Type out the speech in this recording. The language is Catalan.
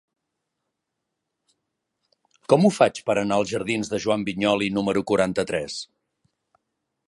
Com ho faig per anar als jardins de Joan Vinyoli número quaranta-tres?